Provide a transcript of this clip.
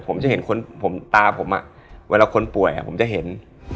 ผมจะเห็นคนตาผมอ่ะเวลาคนป่วยอ่ะผมจะเห็น